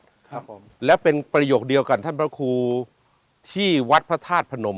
ครับผมและเป็นประโยคเดียวกันท่านพระครูที่วัดพระธาตุพนม